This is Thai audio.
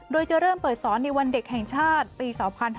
โดยจะเริ่มเปิดสอนในวันเด็กแห่งชาติปี๒๕๕๙